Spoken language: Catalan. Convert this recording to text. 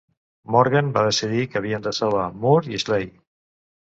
Morgan va decidir que havien de salvar Moore i Schley.